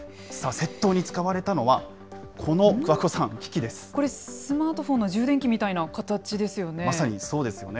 窃盗に使われたのは、この桑子さこれ、スマートフォンの充電まさにそうですよね。